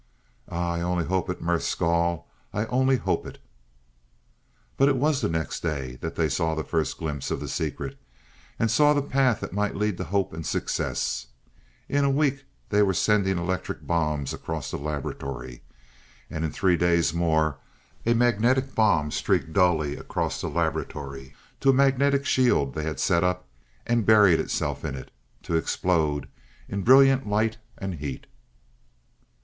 "Ah I only hope it, Merth Skahl, I only hope it." But it was the next day that they saw the first glimpse of the secret, and saw the path that might lead to hope and success. In a week they were sending electric bombs across the laboratory. And in three days more, a magnetic bomb streaked dully across the laboratory to a magnetic shield they had set up, and buried itself in it, to explode in brilliant light and heat.